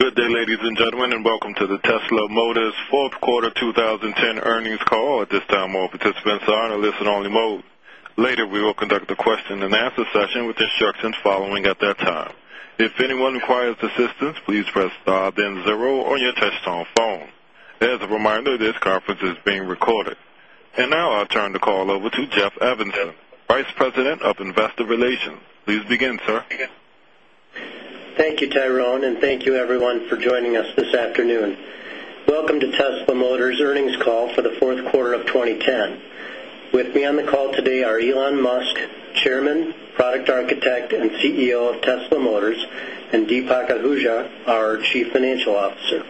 Good day, ladies and gentlemen, and welcome to the Tesla Motors fourth quarter 2010 earnings call. Now I'll turn the call over to Jeff Evanson, Vice President of Investor Relations. Please begin, sir. Thank you, Tyrone, and thank you everyone for joining us this afternoon. Welcome to Tesla Motors' earnings call for the fourth quarter of 2010. With me on the call today are Elon Musk, Chairman, Product Architect, and CEO of Tesla Motors, and Deepak Ahuja, our Chief Financial Officer.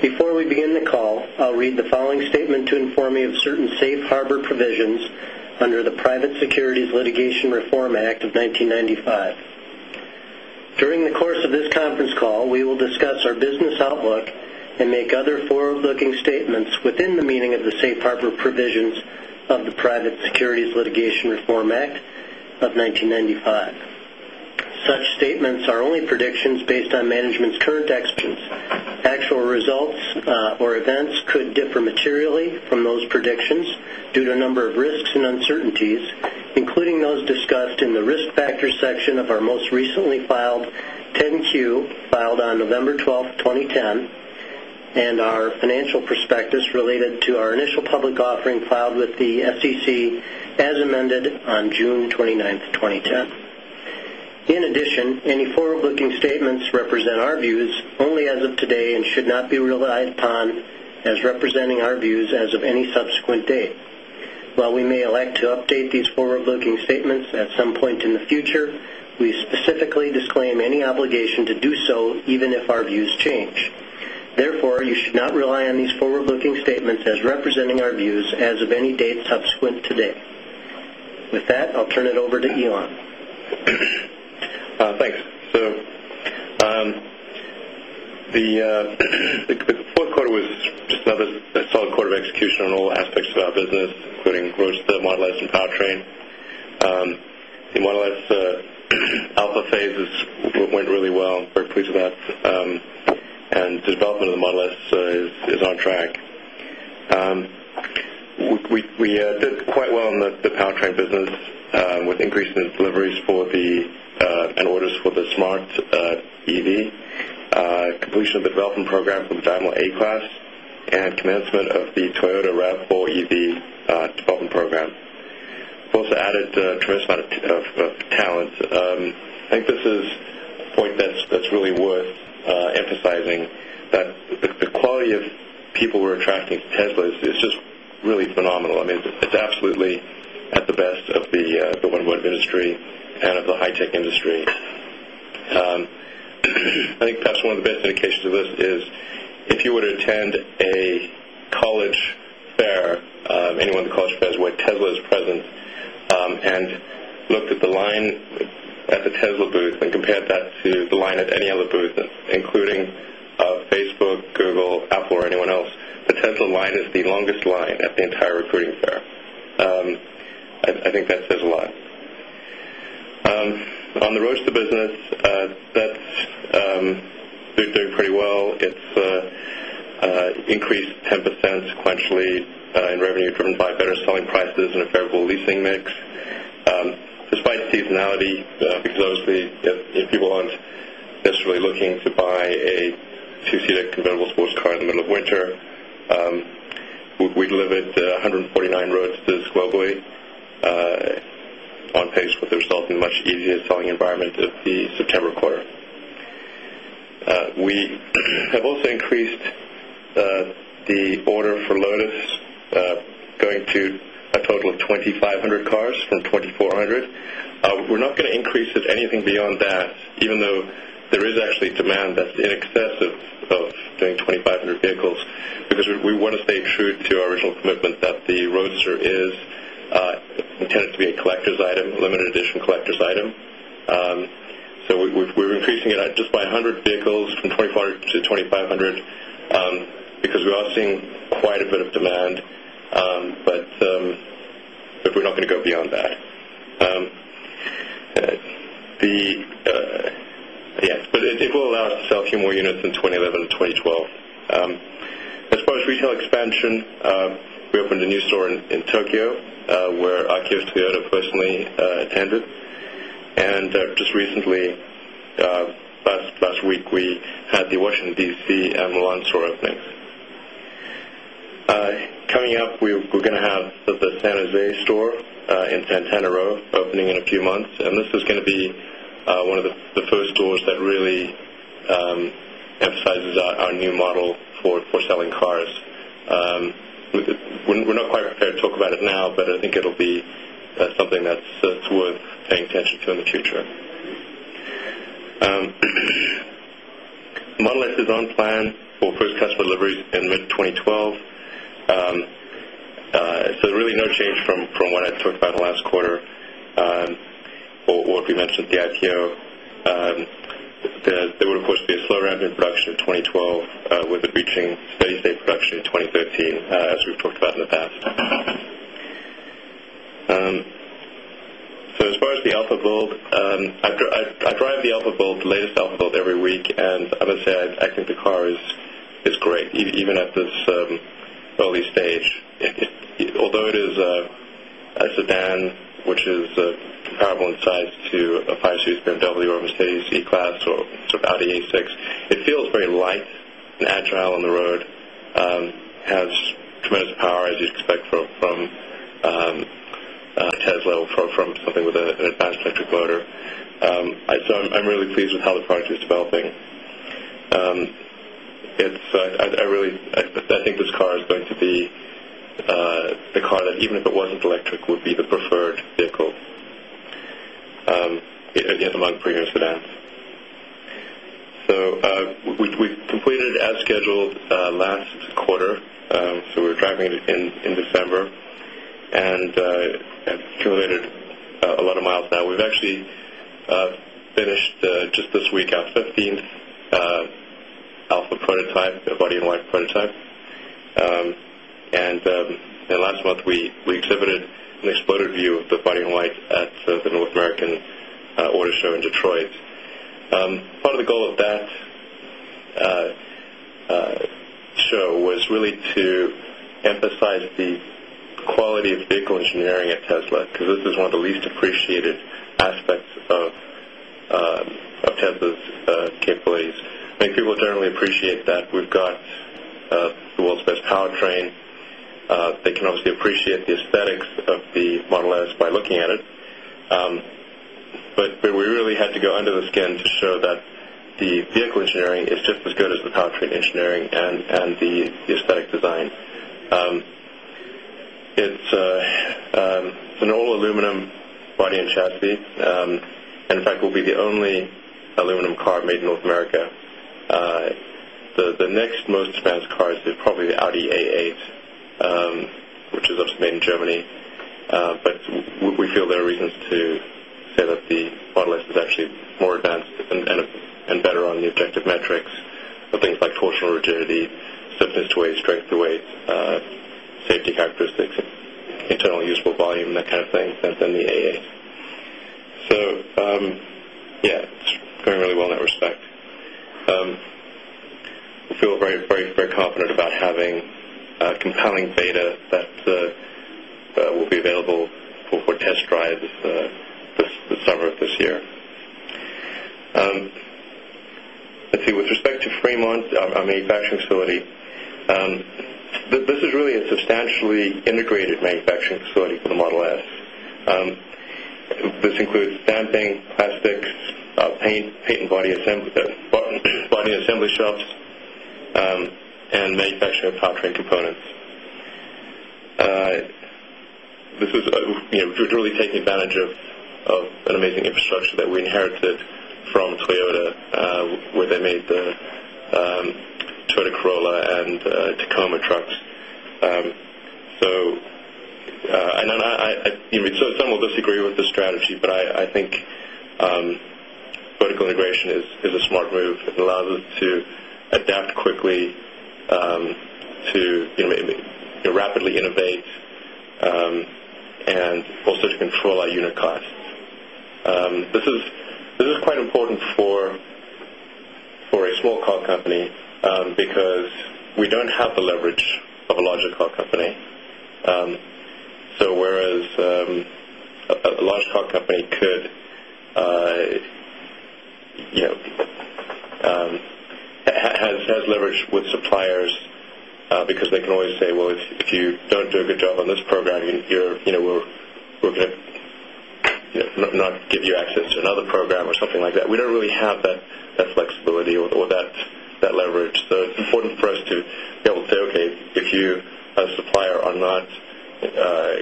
Before we begin the call, I'll read the following statement to inform you of certain safe harbor provisions under the Private Securities Litigation Reform Act of 1995. During the course of this conference call, we will discuss our business outlook and make other forward-looking statements within the meaning of the safe harbor provisions of the Private Securities Litigation Reform Act of 1995. Such statements are only predictions based on management's current expertise. Actual results or events could differ materially from those predictions due to a number of risks and uncertainties, including those discussed in the Risk Factors section of our most recently filed 10-Q, filed on November 12th, 2010, and our financial prospectus related to our initial public offering filed with the SEC as amended on June 29th, 2010. In addition, any forward-looking statements represent our views only as of today and should not be relied upon as representing our views as of any subsequent date. While we may elect to update these forward-looking statements at some point in the future, we specifically disclaim any obligation to do so even if our views change. Therefore, you should not rely on these forward-looking statements as representing our views as of any date subsequent today. With that, I'll turn it over to Elon. Thanks. The fourth quarter was just another solid quarter of execution on all aspects of our business, including Roadster, Model S, and powertrain. The Model S alpha phases went really well. Very pleased with that. The development of the Model S is on track. We did quite well in the powertrain business with increase in deliveries for the and orders for the Smart EV, completion of the development program for the Daimler A-Class, commencement of the Toyota RAV4 EV development program. We also added a tremendous amount of talent. I think this is a point that's really worth emphasizing, that the quality of people we're attracting to Tesla is just really phenomenal. I mean, it's absolutely at the best of the world industry and of the high-tech industry. I think that's one of the best indications of this is if you were to attend a college fair, any one of the college fairs where Tesla is present, and looked at the line at the Tesla booth and compared that to the line at any other booth, including Facebook, Google, Apple, or anyone else, the Tesla line is the longest line at the entire recruiting fair. I think that says a lot. On the Roadster business, that's, we're doing pretty well. It's increased 10% sequentially in revenue driven by better selling prices and a favorable leasing mix. Despite seasonality, because obviously, you know, people aren't necessarily looking to buy a two-seater convertible sports car in the middle of winter, we delivered 149 Roadsters globally, on pace with the resulting much easier selling environment of the September quarter. We have also increased the order for Lotus, going to a total of 2,500 cars from 2,400. We're not gonna increase it anything beyond that, even though there is actually demand that's in excess of doing 2,500 vehicles because we wanna stay true to our original commitment that the Roadster is intended to be a collector's item, limited edition collector's item. So we're increasing it at just by 100 vehicles from 2,400 to 2,500, because we are seeing quite a bit of demand. We're not gonna go beyond that. It will allow us to sell a few more units in 2011 and 2012. As far as retail expansion, we opened a new store in Tokyo, where Akio Toyoda personally attended. Just recently, last week, we had the Washington, D.C., and Milan store openings. Coming up, we're gonna have the San Jose store in Santana Row opening in a few months. This is gonna be one of the first stores that really emphasizes our new model for selling cars. We're not quite prepared to talk about it now, but I think it'll be something that's worth paying attention to in the future. Model S is on plan for first customer deliveries in mid-2012. Really no change from what I talked about last quarter. If you mentioned the IPO, there would, of course, be a slow ramp in production in 2012, with it reaching steady-state production in 2013, as we've talked about in the past. First for the alpha build, I drive the alpha build, the latest alpha build every week, and I must say I think the car is great even at this early stage. Although it is a sedan which is comparable in size to a 5-series BMW or a Mercedes C-Class or sort of Audi A6, it feels very light and agile on the road. Has tremendous power as you'd expect from Tesla or from something with an advanced electric motor. I'm really pleased with how the product is developing. It's I really think this car is going to be the car that even if it wasn't electric would be the preferred vehicle among premium sedans. We completed as scheduled last quarter, we were driving it in December and accumulated a lot of miles. We've actually finished just this week our 15th alpha prototype, the body in white prototype. Last month we exhibited an exploded view of the body in white at the North American Auto Show in Detroit. Part of the goal of that show was really to emphasize the quality of vehicle engineering at Tesla, 'cause this is one of the least appreciated aspects of Tesla's capabilities. I think people generally appreciate that we've got the world's best powertrain. They can obviously appreciate the aesthetics of the Model S by looking at it. We really had to go under the skin to show that the vehicle engineering is just as good as the powertrain engineering and the aesthetic design. It's an all aluminum body and chassis. In fact will be the only aluminum car made in North America. The next most advanced car is probably the Audi A8, which is obviously made in Germany. We feel there are reasons to say that the Model S is actually more advanced and better on the objective metrics of things like torsional rigidity, stiffness to weight, strength to weight, safety characteristics, internal useful volume, that kind of thing than the A8. Yeah, it's going really well in that respect. We feel very confident about having compelling data that will be available for test drives this summer of this year. Let's see. With respect to Fremont, our manufacturing facility, this is really a substantially integrated manufacturing facility for the Model S. This includes stamping, plastics, paint and body assembly shops, and manufacturing of powertrain components. This is, you know, really taking advantage of an amazing infrastructure that we inherited from Toyota, where they made the Toyota Corolla and Tacoma trucks. I You know, some will disagree with this strategy, but I think vertical integration is a smart move. It allows us to adapt quickly, to maybe, you know, rapidly innovate, and also to control our unit costs. This is quite important for a small car company, because we don't have the leverage of a larger car company. Whereas a large car company could, you know, has leverage with suppliers because they can always say, "Well, if you don't do a good job on this program, you're, you know, we're gonna, you know, not give you access to another program," or something like that. We don't really have that flexibility or that leverage. It's important for us to be able to say, "Okay, if you as a supplier are not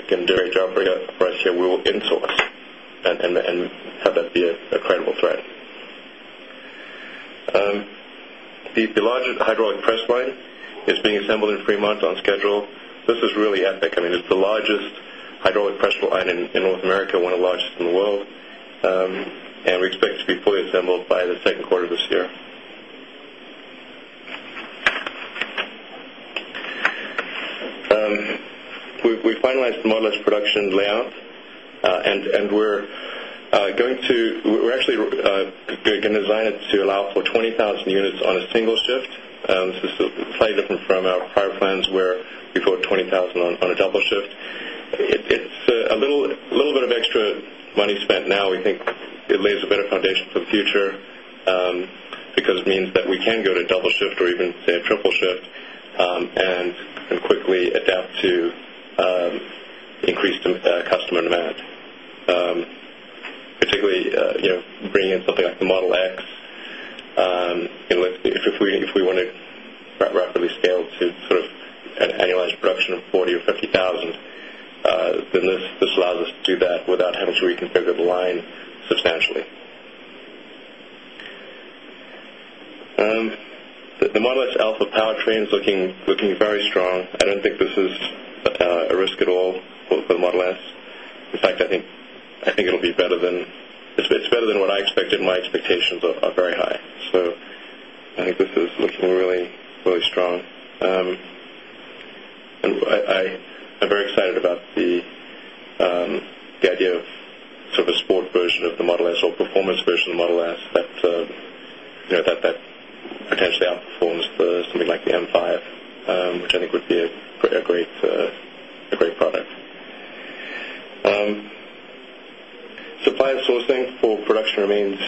gonna do a great job for us here, we will insource," and have that be a credible threat. The large hydraulic press line is being assembled in Fremont on schedule. This is really epic. I mean, it's the largest hydraulic press line in North America, one of the largest in the world. We expect it to be fully assembled by the second quarter of this year. We finalized the Model S production layout, and we're actually gonna design it to allow for 20,000 units on a single shift. This is slightly different from our prior plans where we thought 20,000 on a double shift. It's a little bit of extra money spent now. We think it lays a better foundation for the future, because it means that we can go to double shift or even, say, a triple shift, and quickly adapt to increased customer demand. Particularly, you know, bringing in something like the Model X. You know, if we wanna rapidly scale to sort of an annualized production of 40,000 or 50,000, then this allows us to do that without having to reconfigure the line substantially. The Model S alpha powertrain is looking very strong. I don't think this is a risk at all for the Model S. In fact, I think it'll be better than what I expected, and my expectations are very high. I think this is looking really strong. I'm very excited about the idea of sort of a sport version of the Model S or performance version of the Model S that, you know, potentially outperforms something like the M5, which I think would be a great product. Supplier sourcing for production remains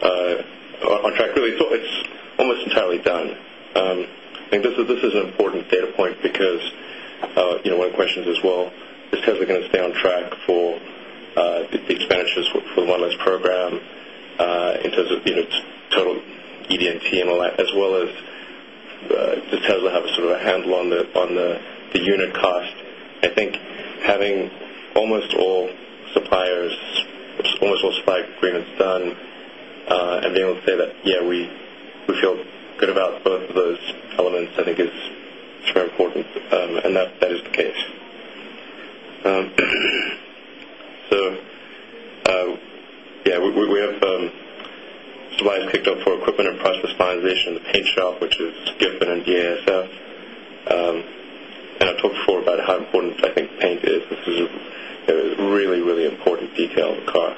on track, really. It's almost entirely done. I think this is an important data point because, you know, one of the questions is, well, does Tesla gonna stay on track for the expenditures for the Model S program, in terms of, you know, total ED&T and all that, as well as, does Tesla have a sort of a handle on the unit cost? I think having almost all suppliers, almost all supplier agreements done, and being able to say that, "Yeah, we feel good about both of those elements," I think is very important. That, that is the case. Yeah, we, we have supplies kicked off for equipment and process finalization in the paint shop, which is Geico Taikisha and BASF. I've talked before about how important I think paint is. This is a, you know, really, really important detail of the car.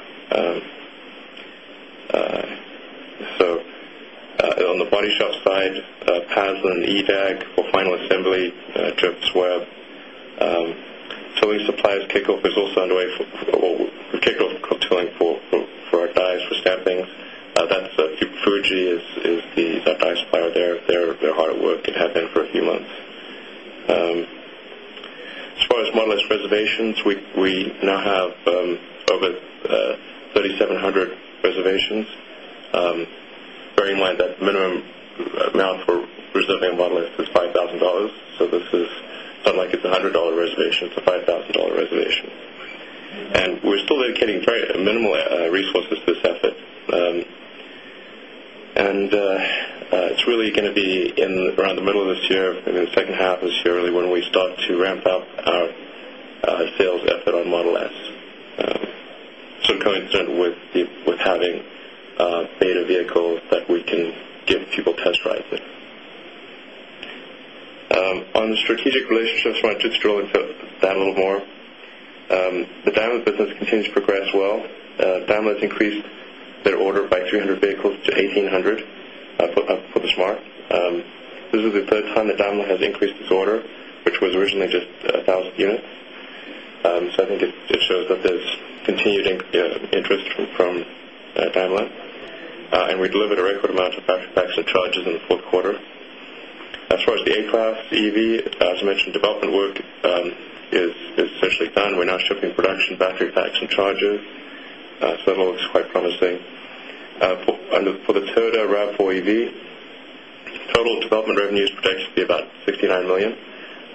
On the body shop side, Paslin and EDAG for final assembly, Dürr and KUKA. Tooling suppliers kickoff is also underway for, well, kickoff tooling for our dies, for stampings. Fuji is our die supplier there. They're hard at work and have been for a few months. As far as Model S reservations, we now have over 3,700 reservations. Bearing in mind that the minimum amount for reserving a Model S is $5,000, so this is not like it's a $100 reservation. It's a $5,000 reservation. We're still dedicating very minimal resources to this effort. It's really gonna be in around the middle of this year, maybe the second half of this year, really, when we start to ramp up our sales effort on Model S. Coincident with the, with having data vehicles that we can give people test drives in. On the strategic relationships front, just to roll into that a little more, the Daimler business continues to progress well. Daimler's increased their order by 300 vehicles to 1,800 for the Smart. This is the third time that Daimler has increased its order, which was originally just 1,000 units. I think it shows that there's continued, you know, interest from Daimler. We delivered a record amount of battery packs and charges in the fourth quarter. As far as the A-Class EV, as I mentioned, development work is essentially done. We're now shipping production battery packs and chargers, so that all looks quite promising. For the Toyota RAV4 EV, total development revenues projected to be about $59 million.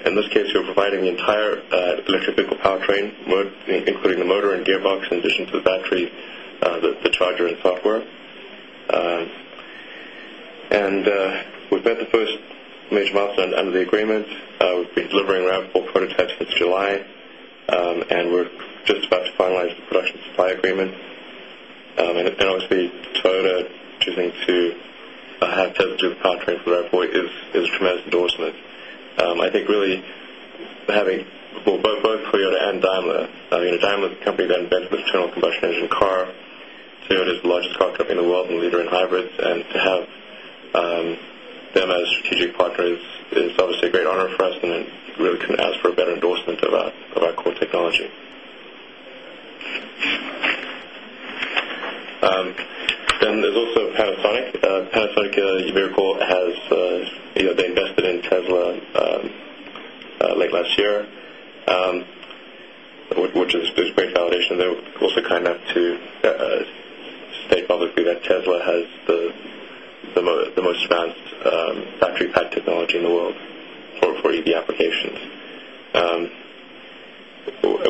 In this case, we are providing the entire electric vehicle powertrain work, including the motor and gearbox, in addition to the battery, the charger and software. We've met the first major milestone under the agreement. We've been delivering RAV4 prototypes since July, and we're just about to finalize the production supply agreement. Obviously Toyota choosing to have Tesla do the powertrain for the RAV4 is a tremendous endorsement. I think really having both Toyota and Daimler, I mean, Daimler's the company that invented the internal combustion engine car. Toyota's the largest car company in the world and leader in hybrids. To have them as strategic partners is obviously a great honor for us, and then really couldn't ask for a better endorsement of our core technology. Then there's also Panasonic. Panasonic, I recall, has a, you know, they invested in Tesla late last year, which is great validation. They were also kind enough to say publicly that Tesla has the most advanced battery pack technology in the world for EV applications.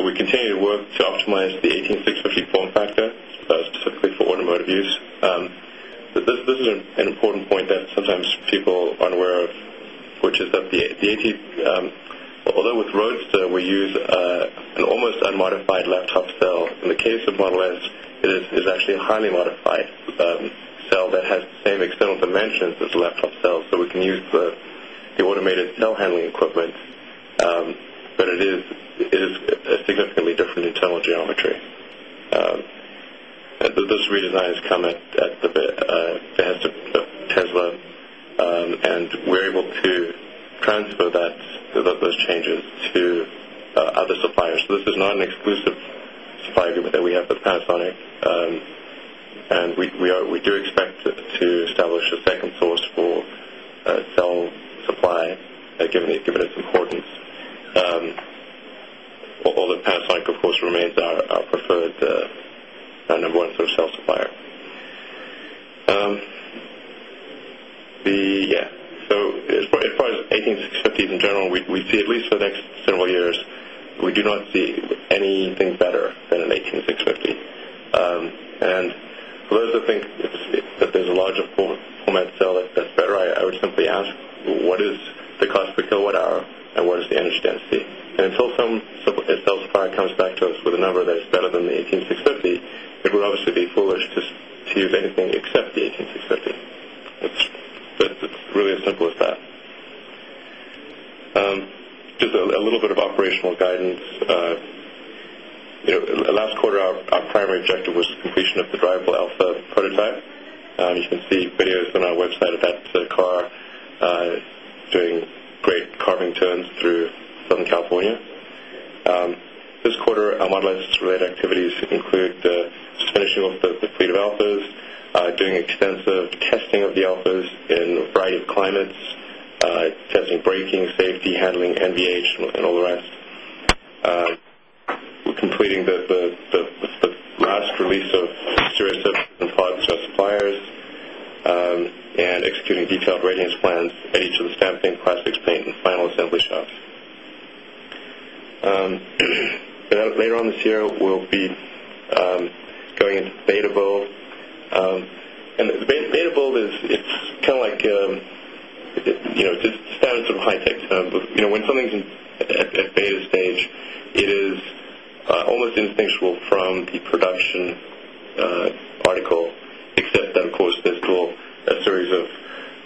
We continue to work to optimize the 18650 form factor specifically for automotive use. This is an important point that sometimes people aren't aware of, which is that the 18, although with Roadster we use an almost unmodified laptop cell, in the case of Model S it is actually a highly modified cell that has the same external dimensions as a laptop cell. We can use the automated cell handling equipment, it is a significantly different internal geometry. Those redesigns come at the behest of Tesla, and we're able to transfer that, those changes to other suppliers. This is not an exclusive supply agreement that we have with Panasonic. And we do expect to establish a second source for cell supply, given its importance. Although Panasonic, of course, remains our preferred, our number one source cell supplier. As far as 18650s in general, we see at least for the next several years, we do not see anything better than an 18650. For those that think it's that there's a larger format cell that's better, I would simply ask, "What is the cost per kilowatt hour, and what is the energy density?" Until some cell supplier comes back to us with a number that is better than the 18650. It's really as simple as that. Just a little bit of operational guidance. You know, last quarter our primary objective was completion of the drivable alpha prototype. You can see videos on our website of that car doing great carving turns through Southern California. This quarter our Model S related activities include the finishing off the fleet of alphas, doing extensive testing of the alphas in a variety of climates, testing braking, safety, handling, NVH, and all the rest. We're completing the last release of series of product to suppliers, and executing detailed readiness plans at each of the stamping, plastics paint, and final assembly shops. Later on this year, we'll be going into beta build. The beta build is, it's kinda like, you know, just standard of high tech. You know, when something's in, at beta stage, it is almost indistinguishable from the production article, except then of course there's still a series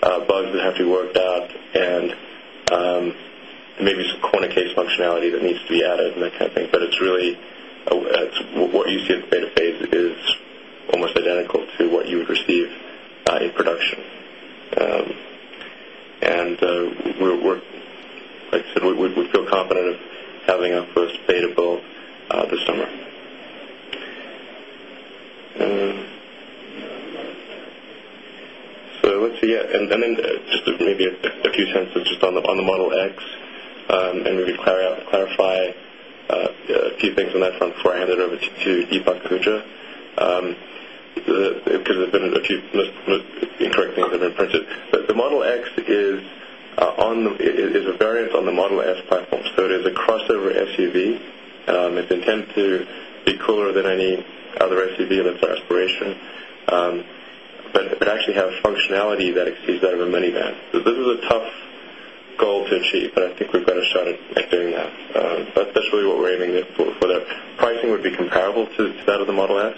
of bugs that have to be worked out and maybe some corner case functionality that needs to be added and that kind of thing. It's really, it's what you see at the beta phase is almost identical to what you would receive in production. Like I said, we feel confident of having our first beta build this summer. Just maybe a few sentences just on the Model X and maybe clarify a few things on that front before I hand it over to Deepak Ahuja. Because there's been a few incorrect things have been printed. The Model X is a variant on the Model S platform. It is a crossover SUV. It's intended to be cooler than any other SUV, and that's our aspiration. It actually have functionality that exceeds that of a minivan. This is a tough goal to achieve, but I think we've got a shot at doing that. That's really what we're aiming it for that. Pricing would be comparable to that of the Model S.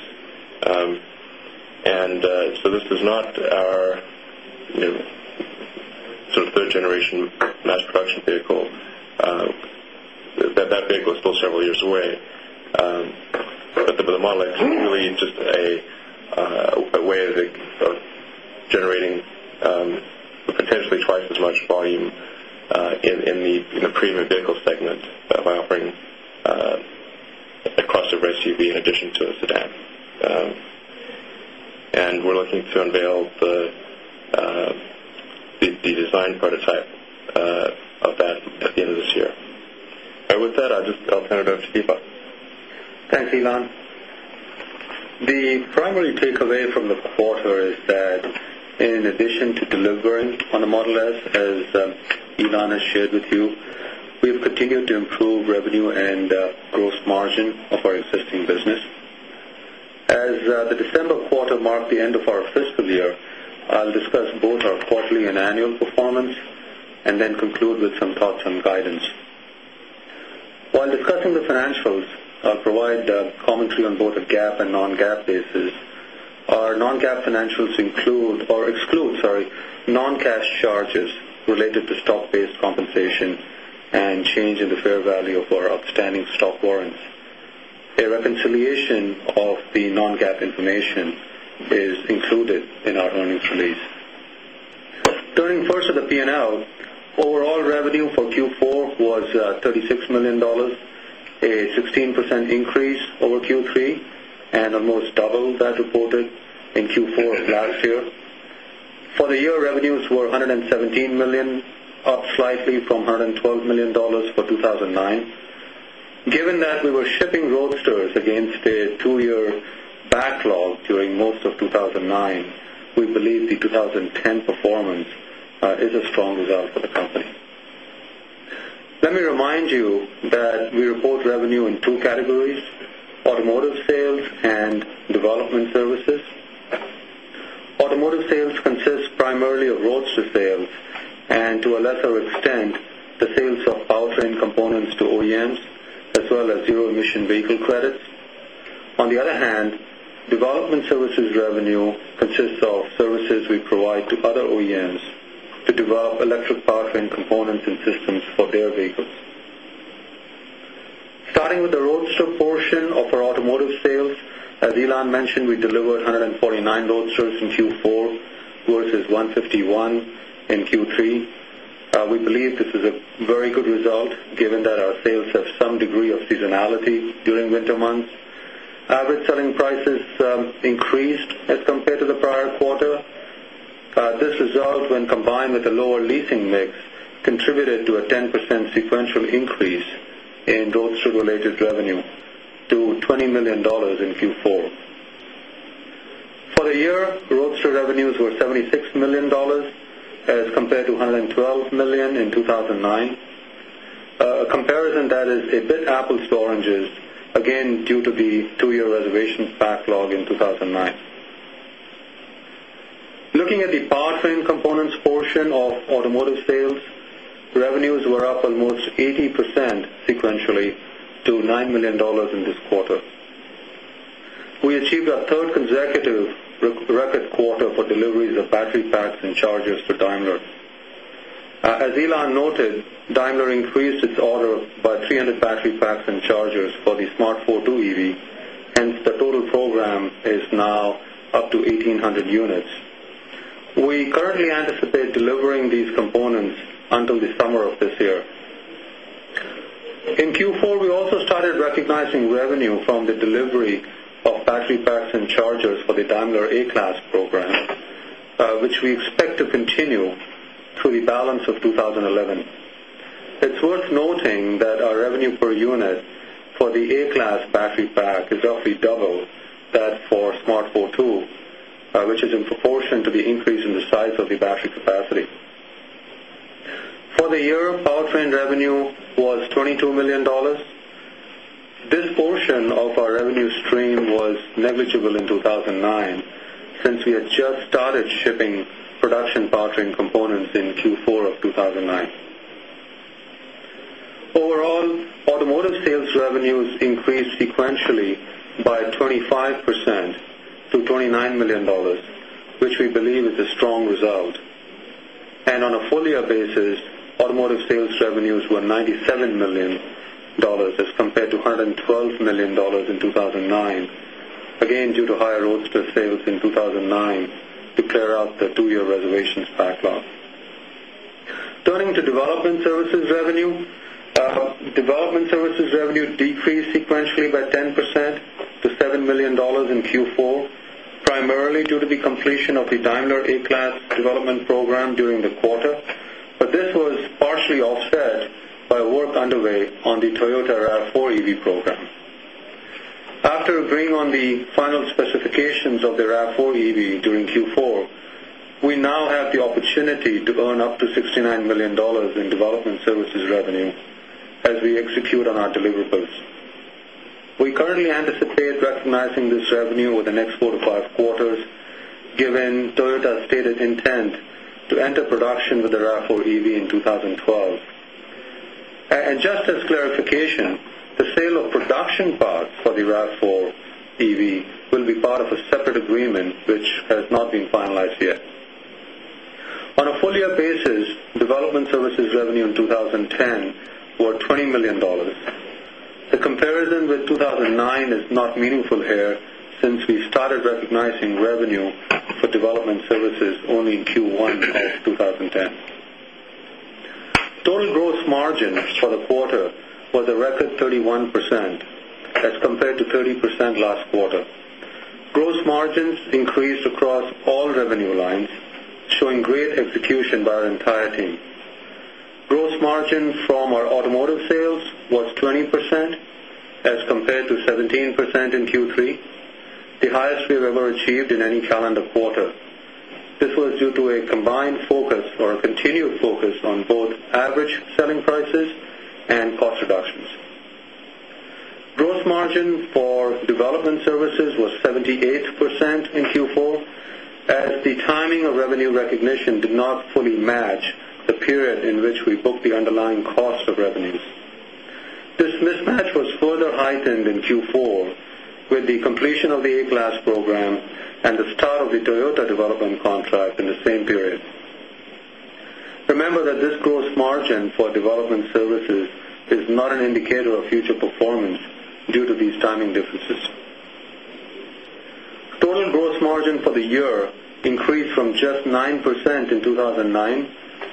This is not our, you know, sort of third generation mass production vehicle. That vehicle is still several years away. The Model X is really just a related to stock-based compensation and change in the fair value of our outstanding stock warrants. A reconciliation of the non-GAAP information is included in our earnings release. Turning first to the P&L, overall revenue for Q4 was $36 million, a 16% increase over Q3 and almost double that reported in Q4 of last year. For the year, revenues were $117 million, up slightly from $112 million for 2009. Given that we were shipping Roadsters against a two-year backlog during most of 2009, we believe the 2010 performance is a strong result for the company. Let me remind you that we report revenue in two categories, automotive sales and development services. Automotive sales consists primarily of Roadster sales and to a lesser extent, the sales of powertrain components to OEMs, as well as zero-emission vehicle credits. On the other hand, development services revenue consists of services we provide to other OEMs to develop electric powertrain components and systems for their vehicles. Starting with the Roadster portion of our automotive sales, as Elon mentioned, we delivered 149 Roadsters in Q4 versus 151 in Q3. We believe this is a very good result given that our sales have some degree of seasonality during winter months. Average selling prices increased as compared to the prior quarter. This result when combined with a lower leasing mix contributed to a 10% sequential increase in Roadster related revenue to $20 million in Q4. For the year, Roadster revenues were $76 million as compared to $112 million in 2009. A comparison that is a bit apples to oranges, again, due to the two-year reservations backlog in 2009. Looking at the powertrain components portion of automotive sales, revenues were up almost 80% sequentially to $9 million in this quarter. We achieved our third consecutive record quarter for deliveries of battery packs and chargers to Daimler. As Elon noted, Daimler increased its order by 300 battery packs and chargers for the smart fortwo EV, hence the total program is now up to 1,800 units. We currently anticipate delivering these components until the summer of this year. In Q4, we also started recognizing revenue from the delivery of battery packs and chargers for the Daimler A-Class program, which we expect to continue through the balance of 2011. It's worth noting that our revenue per unit for the A-Class battery pack is roughly double that for smart fortwo, which is in proportion to the increase in the size of the battery capacity. For the year, powertrain revenue was $22 million. This portion of our revenue stream was negligible in 2009 since we had just started shipping production powertrain components in Q4 of 2009. Overall, automotive sales revenues increased sequentially by 25% to $29 million, which we believe is a strong result. On a full-year basis, automotive sales revenues were $97 million as compared to $112 million in 2009, again, due to higher Roadster sales in 2009 to clear out the two-year reservations backlog. Turning to development services revenue. Development services revenue decreased sequentially by 10% to $7 million in Q4, primarily due to the completion of the Daimler A-Class development program during the quarter. This was partially offset by work underway on the Toyota RAV4 EV program. After agreeing on the final specifications of the RAV4 EV during Q4, we now have the opportunity to earn up to $69 million in development services revenue as we execute on our deliverables. We currently anticipate recognizing this revenue over the next four to five quarters, given Toyota's stated intent to enter production with the RAV4 EV in 2012. Just as clarification, the sale of production parts for the RAV4 EV will be part of a separate agreement which has not been finalized yet. On a full-year basis, development services revenue in 2010 were $20 million. The comparison with 2009 is not meaningful here since we started recognizing revenue for development services only in Q1 of 2010. Total gross margin for the quarter was a record 31% as compared to 30% last quarter. Gross margins increased across all revenue lines, showing great execution by our entire team. Gross margin from our automotive sales was 20% as compared to 17% in Q3, the highest we have ever achieved in any calendar quarter. This was due to a combined focus or a continued focus on both average selling prices and cost reductions. Gross margin for development services was 78% in Q4, as the timing of revenue recognition did not fully match the period in which we booked the underlying cost of revenues. This mismatch was further heightened in Q4 with the completion of the A-Class program and the start of the Toyota development contract in the same period. Remember that this gross margin for development services is not an indicator of future performance due to these timing differences. Total gross margin for the year increased from just 9% in 2009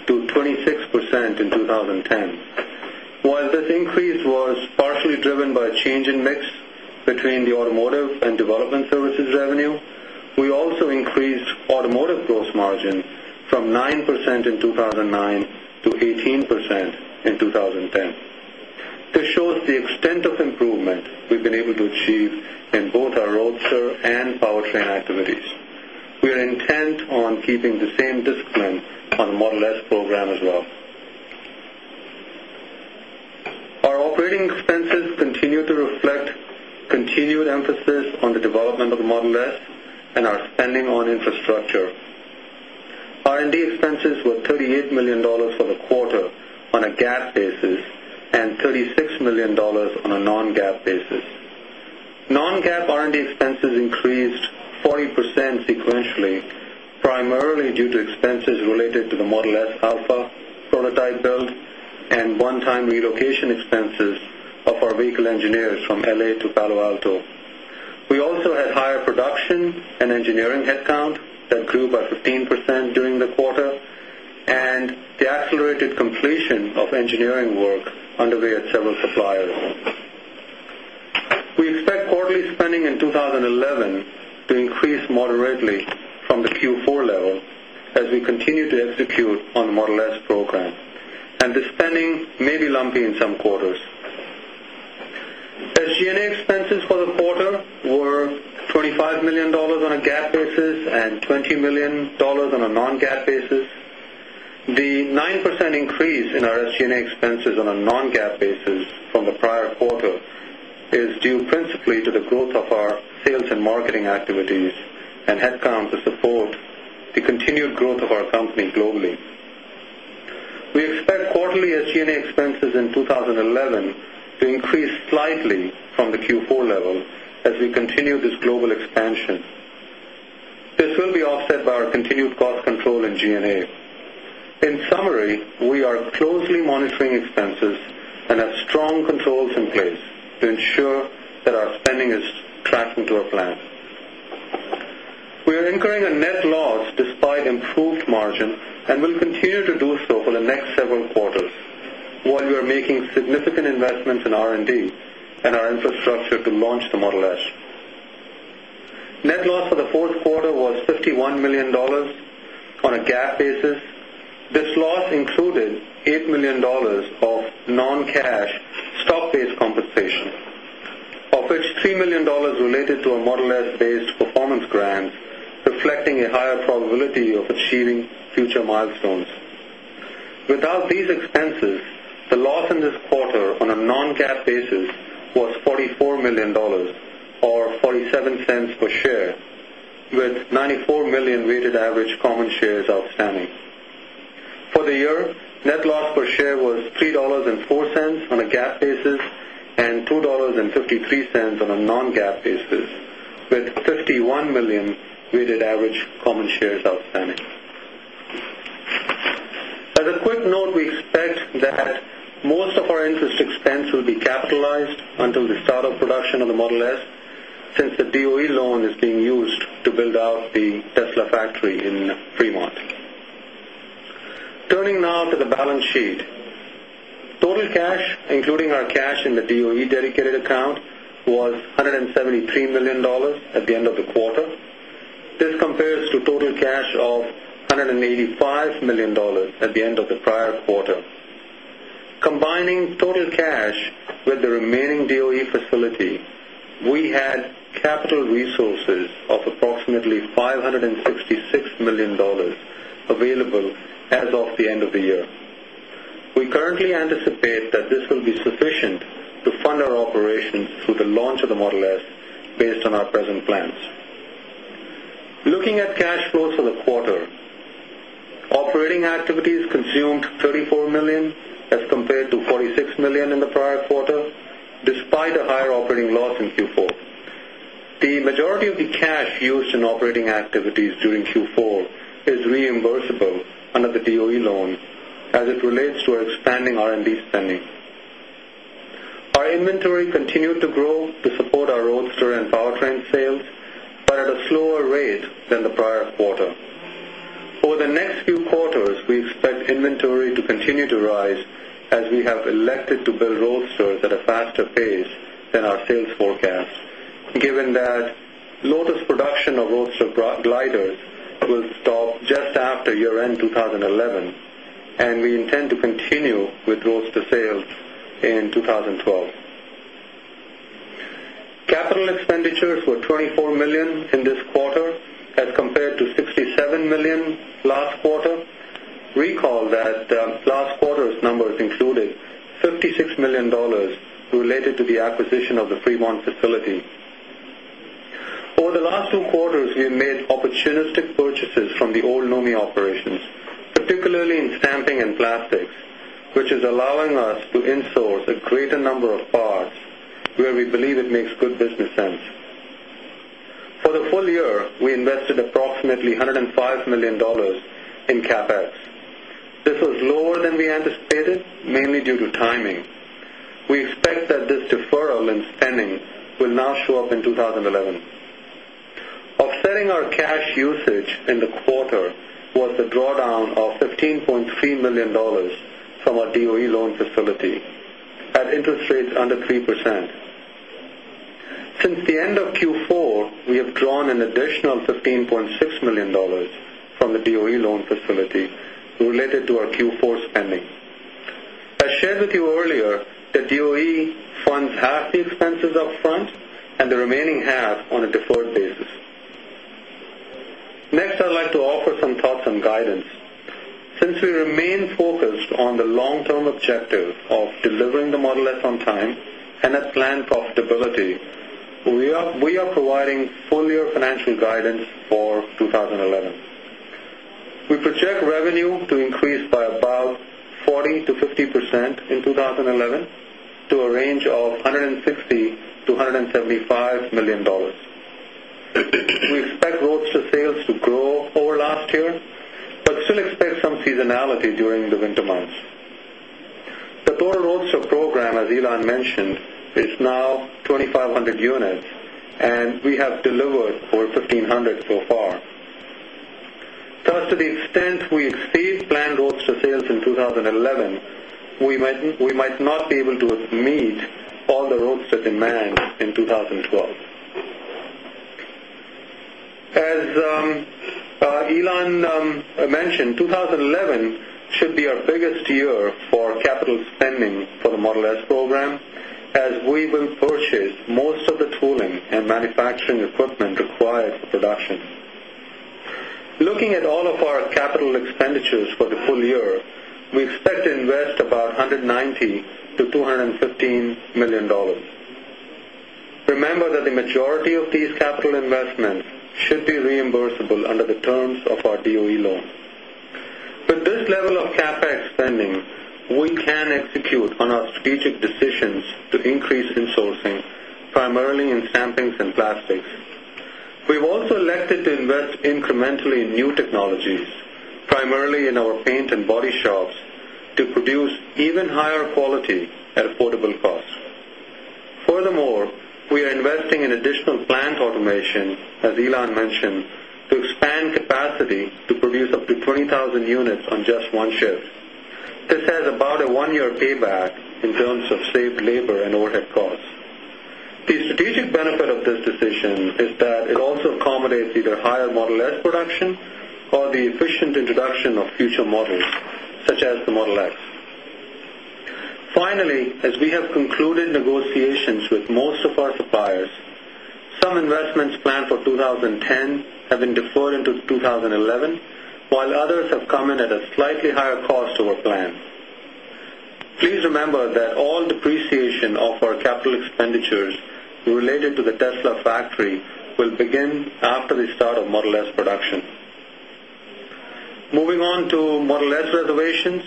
to 26% in 2010. While this increase was partially driven by a change in mix between the automotive and development services revenue, we also increased automotive gross margin from 9% in 2009 to 18% in 2010. This shows the extent of improvement we've been able to achieve in both our Roadster and powertrain activities. We are intent on keeping the same discipline on the Model S program as well. Our operating expenses continue to reflect continued emphasis on the development of the Model S and our spending on infrastructure. R&D expenses were $38 million for the quarter on a GAAP basis and $36 million on a non-GAAP basis. Non-GAAP R&D expenses increased 40% sequentially, primarily due to expenses related to the Model S alpha prototype build and one-time relocation expenses of our vehicle engineers from L.A. to Palo Alto. We also had higher production and engineering headcount that grew by 15% during the quarter and the accelerated completion of engineering work underway at several suppliers. We expect quarterly spending in 2011 to increase moderately from the Q4 level as we continue to execute on the Model S program, and the spending may be lumpy in some quarters. SG&A expenses for the quarter were $25 million on a GAAP basis and $20 million on a non-GAAP basis. The 9% increase in our SG&A expenses on a non-GAAP basis from the prior quarter is due principally to the growth of our sales and marketing activities and headcount to support the continued growth of our company globally. We expect quarterly SG&A expenses in 2011 to increase slightly from the Q4 level as we continue this global expansion. This will be offset by our continued cost control in G&A. We are closely monitoring expenses and have strong controls in place to ensure that our spending is tracking to our plan. We are incurring a net loss despite improved margin and will continue to do so for the next several quarters while we are making significant investments in R&D and our infrastructure to launch the Model S. Net loss for the fourth quarter was $51 million on a GAAP basis. This loss included $8 million of non-cash stock-based compensation, of which $3 million related to a Model S-based performance grant, reflecting a higher probability of achieving future milestones. Without these expenses, the loss in this quarter on a non-GAAP basis was $44 million or $0.47 per share, with 94 million weighted average common shares outstanding. For the year, net loss per share was $3.04 on a GAAP basis and $2.53 on a non-GAAP basis, with 51 million weighted average common shares outstanding. As a quick note, we expect that most of our interest expense will be capitalized until the start of production of the Model S since the DOE loan is being used to build out the Tesla factory in Fremont. Turning now to the balance sheet. Total cash, including our cash in the DOE dedicated account, was $173 million at the end of the quarter. This compares to total cash of $185 million at the end of the prior quarter. Combining total cash with the remaining DOE facility, we had capital resources of approximately $566 million available as of the end of the year. We currently anticipate that this will be sufficient to fund our operations through the launch of the Model S based on our present plans. Looking at cash flows for the quarter. Operating activities consumed $34 million as compared to $46 million in the prior quarter, despite a higher operating loss in Q4. The majority of the cash used in operating activities during Q4 is reimbursable under the DOE loan as it relates to our expanding R&D spending. Our inventory continued to grow to support our Roadster and powertrain sales, but at a slower rate than the prior quarter. Over the next few quarters, we expect inventory to continue to rise as we have elected to build Roadsters at a faster pace than our sales forecast, given that Lotus production of Roadster gliders will stop just after year-end 2011, and we intend to continue with Roadster sales in 2012. Capital expenditures were $24 million in this quarter as compared to $67 million last quarter. Recall that last quarter's numbers included $56 million related to the acquisition of the Fremont facility. Over the last two quarters, we have made opportunistic purchases from the old NUMMI operations, particularly in stamping and plastics, which is allowing us to in-source a greater number of parts where we believe it makes good business sense. For the full year, we invested approximately $105 million in CapEx. This was lower than we anticipated, mainly due to timing. We expect that this deferral in spending will now show up in 2011. Offsetting our cash usage in the quarter was the drawdown of $15.3 million from our DOE loan facility at interest rates under 3%. Since the end of Q4, we have drawn an additional $15.6 million from the DOE loan facility related to our Q4 spending. As shared with you earlier, the DOE funds half the expenses up front and the remaining half on a deferred basis. I'd like to offer some thoughts on guidance. Since we remain focused on the long-term objective of delivering the Model S on time and at planned profitability, we are providing full-year financial guidance for 2011. We project revenue to increase by about 40%-50% in 2011 to a range of $160 million-$175 million. We expect Roadster sales to grow over last year, but still expect some seasonality during the winter months. The total Roadster program, as Elon mentioned, is now 2,500 units, and we have delivered over 1,500 so far. Thus, to the extent we exceed planned Roadster sales in 2011, we might not be able to meet all the Roadster demand in 2012. As Elon mentioned, 2011 should be our biggest year for capital spending for the Model S program, as we will purchase most of the tooling and manufacturing equipment required for production. Looking at all of our capital expenditures for the full year, we expect to invest about $190 million-$215 million. Remember that the majority of these capital investments should be reimbursable under the terms of our DOE loan. With this level of CapEx spending, we can execute on our strategic decisions to increase insourcing, primarily in stampings and plastics. We've also elected to invest incrementally in new technologies, primarily in our paint and body shops, to produce even higher quality at affordable costs. Furthermore, we are investing in additional plant automation, as Elon mentioned, to expand capacity to produce up to 20,000 units on just one shift. This has about a one-year payback in terms of saved labor and overhead costs. The strategic benefit of this decision is that it also accommodates either higher Model S production or the efficient introduction of future models such as the Model X. Finally, as we have concluded negotiations with most of our suppliers, some investments planned for 2010 have been deferred into 2011, while others have come in at a slightly higher cost to our plan. Please remember that all depreciation of our capital expenditures related to the Tesla factory will begin after the start of Model S production. Moving on to Model S reservations,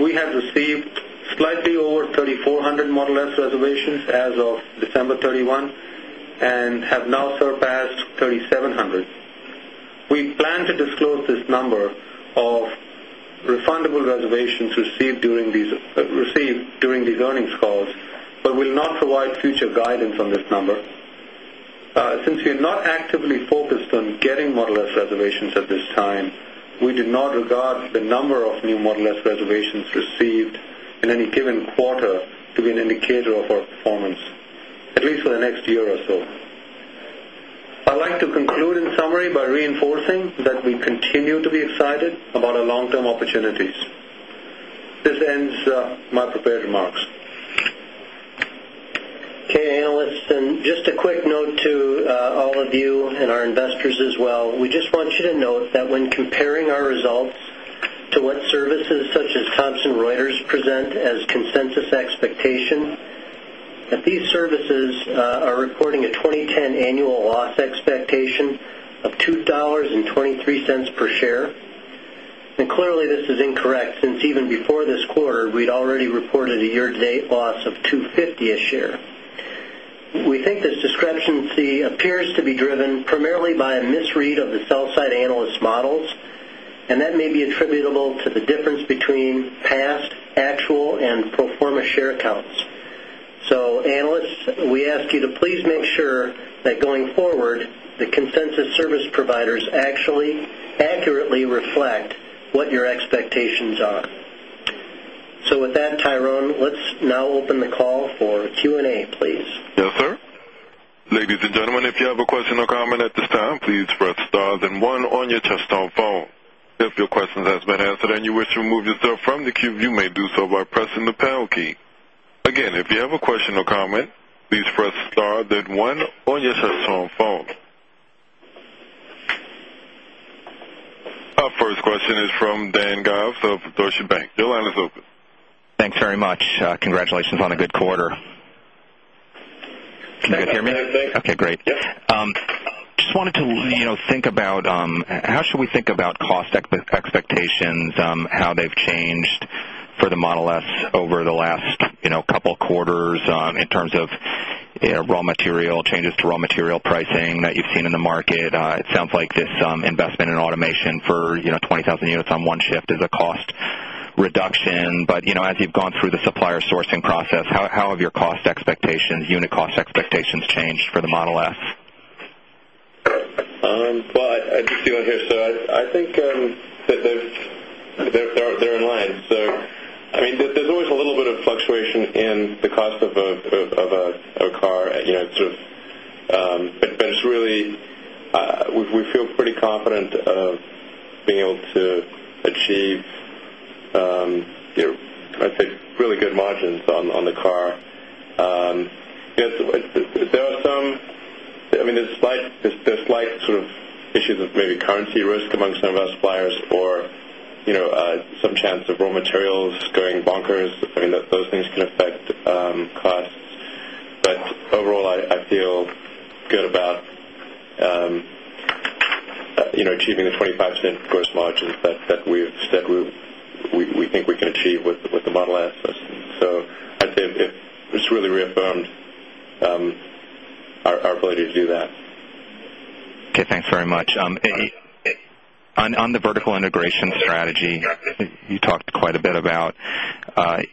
we have received slightly over 3,400 Model S reservations as of December 31 and have now surpassed 3,700. We plan to disclose this number of refundable reservations received during these earnings calls, but will not provide future guidance on this number. Since we are not actively focused on getting Model S reservations at this time, we do not regard the number of new Model S reservations received in any given quarter to be an indicator of our performance, at least for the next year or so. I'd like to conclude in summary by reinforcing that we continue to be excited about our long-term opportunities. This ends my prepared remarks. Okay, analysts, just a quick note to all of you and our investors as well. We just want you to note that when comparing our results to what services such as Thomson Reuters present as consensus expectations, that these services are reporting a 2010 annual loss expectation of $2.23 per share. Clearly, this is incorrect since even before this quarter, we'd already reported a year-to-date loss of $2.50 a share. We think this discrepancy appears to be driven primarily by a misread of the sell-side analyst models, and that may be attributable to the difference between past, actual, and pro forma share counts. Analysts, we ask you to please make sure that going forward, the consensus service providers actually accurately reflect what your expectations are. With that, Tyrone, let's now open the call for Q&A, please. Our first question is from Dan Galves of Deutsche Bank. Your line is open. Thanks very much. Congratulations on a good quarter. Can you guys hear me? Yes, sir. Okay, great. Yes. Just wanted to, you know, think about, how should we think about cost expectations, how they've changed for the Model S over the last, you know, couple quarters, in terms of, you know, raw material, changes to raw material pricing that you've seen in the market. It sounds like this investment in automation for, you know, 20,000 units on one shift is a cost reduction. You know, as you've gone through the supplier sourcing process, how have your cost expectations, unit cost expectations changed for the Model S? Well, I just see one here. I think that they're in line. I mean, there's always a little bit of fluctuation in the cost of a car, you know, sort of, but it's really, we feel pretty confident of being able to achieve, you know, I'd say really good margins on the car. I guess there are some, I mean, there's slight sort of issues of maybe currency risk among some of our suppliers or, you know, some chance of raw materials going bonkers. I mean, those things can affect costs. Overall, I feel good about, you know, achieving the 25% gross margins that we've, we think we can achieve with the Model S. I'd say it just really reaffirmed, our ability to do that. Okay, thanks very much. On the vertical integration strategy you talked quite a bit about,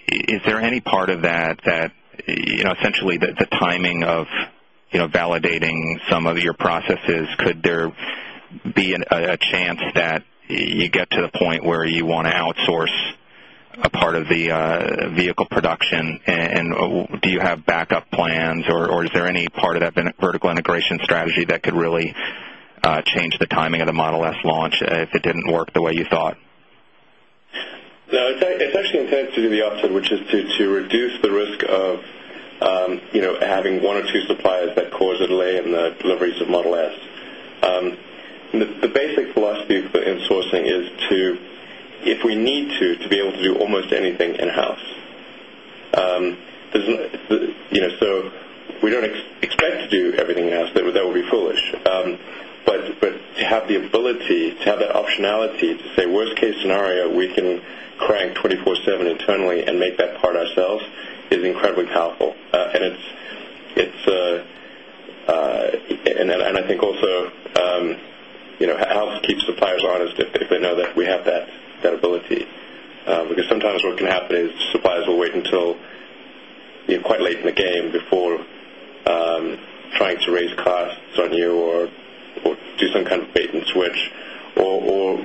is there any part of that that, you know, essentially the timing of, you know, validating some of your processes, could there be a chance that you get to the point where you wanna outsource a part of the vehicle production? Do you have backup plans, or is there any part of that vertical integration strategy that could really change the timing of the Model S launch if it didn't work the way you thought? No, it's actually intended to do the opposite, which is to reduce the risk of, you know, having one or two suppliers that cause a delay in the deliveries of Model S. The basic philosophy for insourcing is to, if we need to be able to do almost anything in-house. You know, we don't expect to do everything in-house. That would be foolish. But to have the ability, to have that optionality to say, worst case scenario, we can crank 24/7 internally and make that part ourselves is incredibly powerful. I think also, you know, helps keep suppliers honest if they know that we have that ability. Because sometimes what can happen is suppliers will wait until, you know, quite late in the game before trying to raise costs on you or do some kind of bait and switch or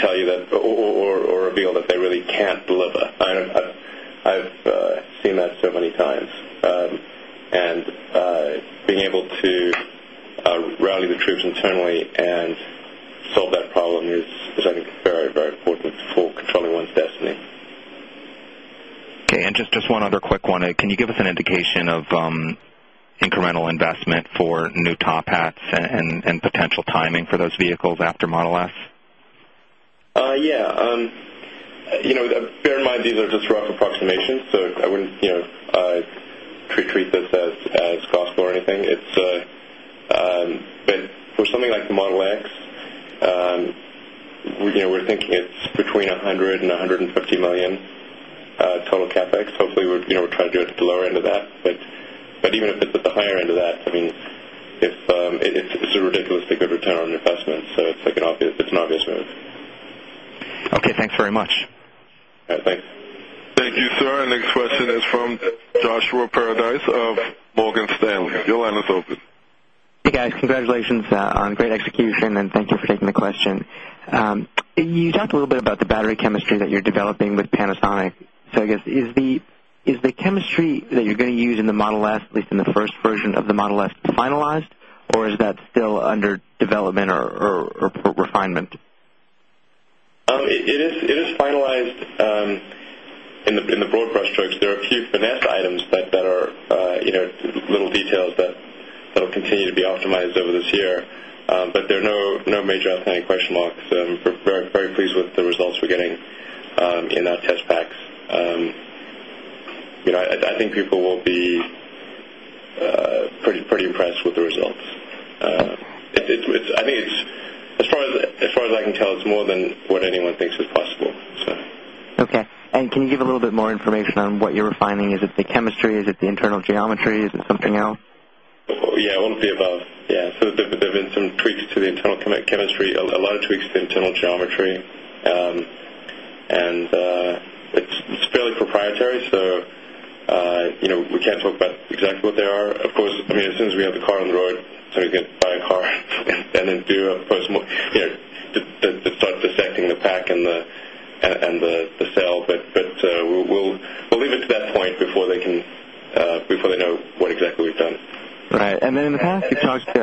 tell you that or reveal that they really can't deliver. I've seen that so many times. Being able to rally the troops internally and solve that problem is I think very important for controlling one's destiny. Okay. Just one other quick one. Can you give us an indication of incremental investment for new top hats and potential timing for those vehicles after Model S? Yeah. You know, bear in mind these are just rough approximations, so I wouldn't, you know, treat this as gospel or anything. For something like the Model X, you know, we're thinking it's between $100 million and $150 million total CapEx. Hopefully, we're, you know, we're trying to do it at the lower end of that. Even if it's at the higher end of that, I mean, it's a ridiculously good return on investment, so it's like an obvious move. Okay, thanks very much. Yeah, thanks. Thank you, sir. Our next question is from Joshua Paradise of Morgan Stanley. Your line is open. Hey, guys. Congratulations, on great execution, and thank you for taking the question. You talked a little bit about the battery chemistry that you're developing with Panasonic. I guess, is the chemistry that you're gonna use in the Model S, at least in the first version of the Model S, finalized or is that still under development or refinement? It is finalized in the broad brushstrokes. There are a few finesse items, but that are, you know, little details that'll continue to be optimized over this year. There are no major outstanding question marks. We're very pleased with the results we're getting in our test packs. You know, I think people will be pretty impressed with the results. I think it's, as far as I can tell, it's more than what anyone thinks is possible. Okay. Can you give a little bit more information on what you're refining? Is it the chemistry? Is it the internal geometry? Is it something else? All of the above. Yeah. There've been some tweaks to the internal chemistry, a lot of tweaks to the internal geometry. It's fairly proprietary, so, you know, we can't talk about exactly what they are. Of course, I mean, as soon as we have the car on the road, somebody's gonna buy a car and then do, of course, more, you know, to start dissecting the pack and the cell. But we'll leave it to that point before they can before they know what exactly we've done. Right. In the past, you've talked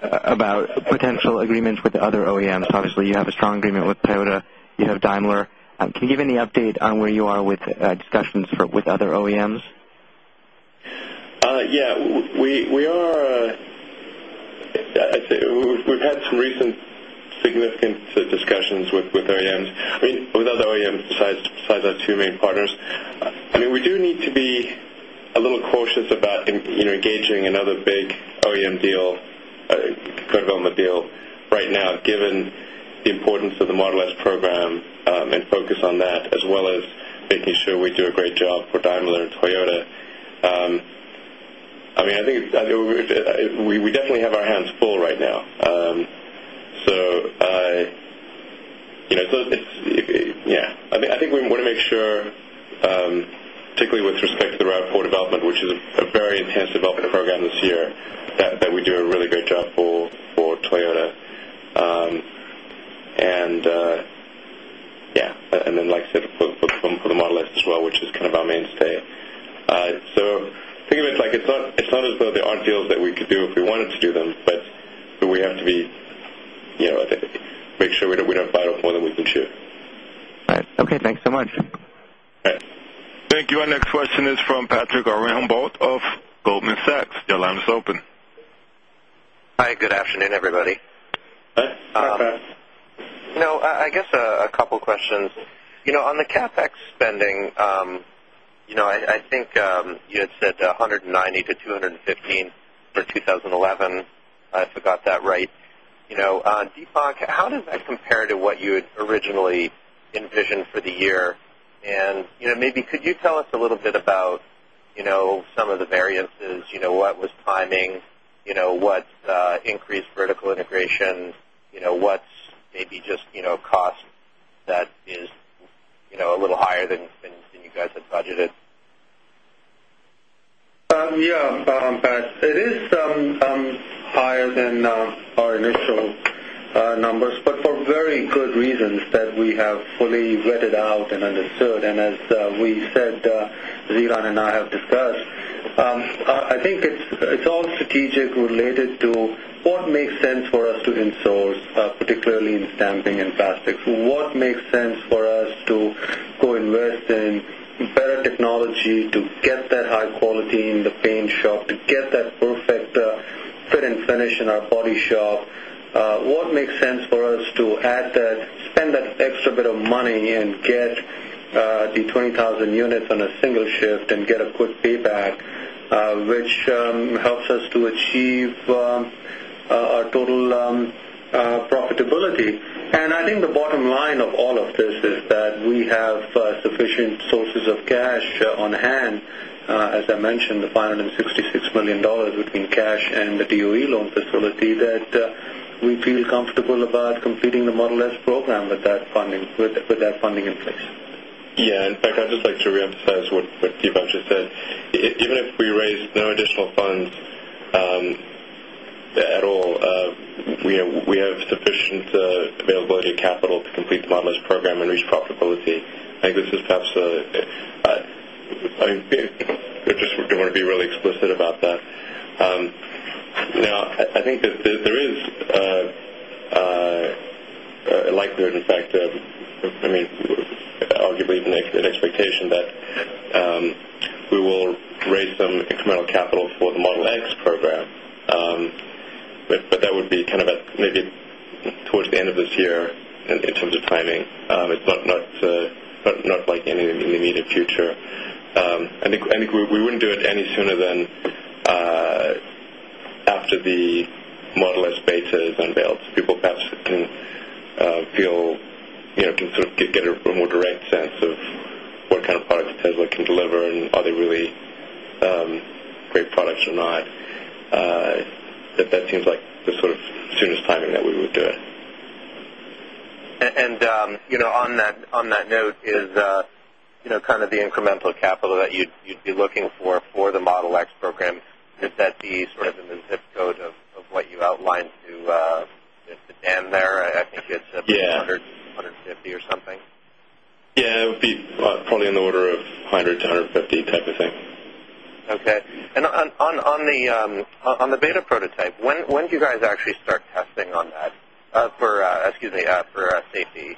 about potential agreements with other OEMs. Obviously, you have a strong agreement with Toyota. You have Daimler. Can you give any update on where you are with discussions with other OEMs? Yeah. We are, I'd say we've had some recent significant discussions with OEMs. I mean, with other OEMs besides our two main partners. I mean, we do need to be a little cautious about you know, engaging another big OEM deal, co-development deal right now, given the importance of the Model S program, and focus on that, as well as making sure we do a great job for Daimler and Toyota. I mean, I think we definitely have our hands full right now. I, you know, so it's, it Yeah, I think we want to make sure, particularly with respect to the RAV4 development, which is a very intense development program this year, that we do a really great job for Toyota. Yeah. Like I said, for the Model S as well, which is kind of our mainstay. Think of it like it's not, it's not as though there aren't deals that we could do if we wanted to do them, but we have to be, you know, I think, make sure we don't, we don't bite off more than we can chew. Right. Okay, thanks so much. Yeah. Thank you. Our next question is from Patrick Archambault of Goldman Sachs. Your line is open. Hi, good afternoon, everybody. Hi, Pat. You know, I guess a couple questions. You know, on the CapEx spending, you know, I think you had said $190-$215 for 2011, if I got that right. You know, Deepak, how does that compare to what you had originally envisioned for the year? You know, maybe could you tell us a little bit about some of the variances, you know, what was timing, you know, what's increased vertical integration, you know, what's maybe just, you know, cost that is a little higher than you guys had budgeted? Yeah, Pat, it is higher than our initial numbers, but for very good reasons that we have fully vetted out and understood. As we said, Jigar and I have discussed. I think it's all strategic related to what makes sense for us to in-source, particularly in stamping and plastics. What makes sense for us to go invest in better technology to get that high quality in the paint shop, to get that perfect fit and finish in our body shop? What makes sense for us to add that, spend that extra bit of money and get 20,000 units on a single shift and get a quick payback, which helps us to achieve our total profitability. I think the bottom line of all of this is that we have sufficient sources of cash on hand, as I mentioned, the $566 million between cash and the DOE loan facility that we feel comfortable about completing the Model S program with that funding in place. In fact, I'd just like to reemphasize what Deepak just said. Even if we raise no additional funds at all, we have sufficient availability of capital to complete the Model S program and reach profitability. I think this is perhaps, I just wanna be really explicit about that. I think that there is a likelihood, in fact, of, I mean, arguably an expectation that we will raise some incremental capital for the Model X program. That would be kind of at maybe towards the end of this year in terms of timing. It's not like any in the immediate future. I think we wouldn't do it any sooner than after the Model S beta is unveiled, so people perhaps can feel, you know, can sort of get a more direct sense of what kind of products Tesla can deliver and are they really great products or not. That seems like the sort of soonest timing that we would do it. You know, on that note is, you know, kind of the incremental capital that you'd be looking for for the Model X program, is that the sort of in the zip code of what you outlined to Dan there? Yeah. $100, $150 or something? Yeah, it would be, probably in the order of $100-$150 type of thing. Okay. On the beta prototype, when do you guys actually start testing on that, excuse me, for safety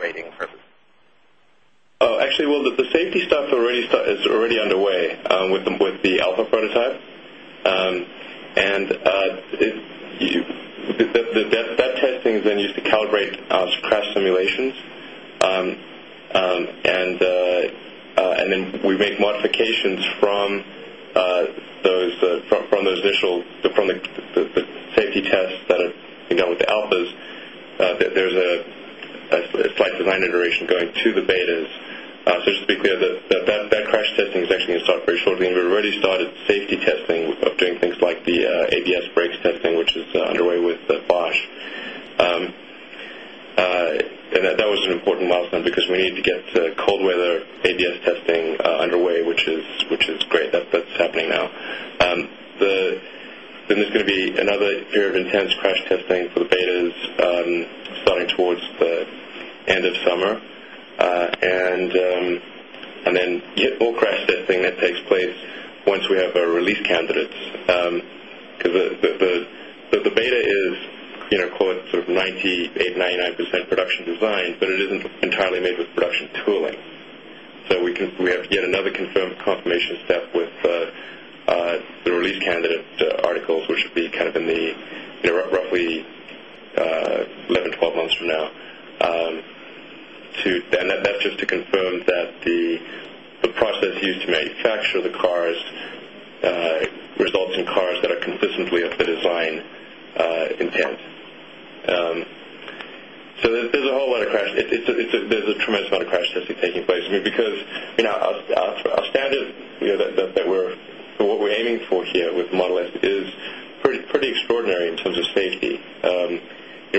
rating purposes? Oh, actually, well, the safety stuff is already underway with the alpha prototype. That testing is then used to calibrate crash simulations. Then we make modifications from those initial safety tests that have been done with the alphas. There's a slight design iteration going to the betas. Just to be clear, the beta crash testing is actually gonna start very shortly. We already started safety testing of doing things like the ABS brakes testing, which is underway with Bosch. That was an important milestone because we need to get cold weather ABS testing underway, which is great. That's happening now. There's gonna be another period of intense crash testing for the betas, starting towards the end of summer. Yet more crash testing that takes place once we have our release candidates. 'Cause the beta is, you know, call it sort of 98%, 99% production design, but it isn't entirely made with production tooling. We have yet another confirmation step with the release candidate articles, which would be kind of in the, you know, roughly, 11, 12 months from now, to confirm that the process used to manufacture the cars results in cars that are consistently of the design intent. There's a tremendous amount of crash testing taking place. I mean, because, you know, our standard, you know, that we're, what we're aiming for here with Model S is pretty extraordinary in terms of safety. You